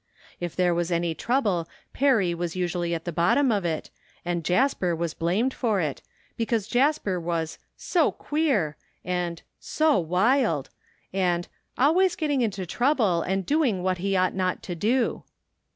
If there was any trouble Perry was usually at the bottom of it and Jasper was blamed for it, because Jasper was " so queer '' and " so wild " and " always getting into trouble and doing what he ought not to do."